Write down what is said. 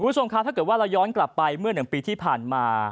ถ้าเกิดว่าย้อนกลับไปเมื่อ๑ปีที่ผ่านมา